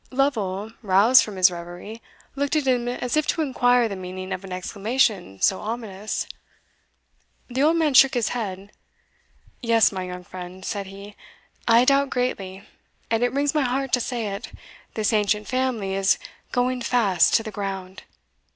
Lovel, roused from his reverie, looked at him as if to inquire the meaning of an exclamation so ominous. The old man shook his head. "Yes, my young friend," said he, "I doubt greatly and it wrings my heart to say it this ancient family is going fast to the ground!"